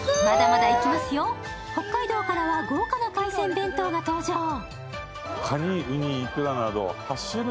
まだまだいきますよ、北海道からは豪華な海鮮弁当が登場。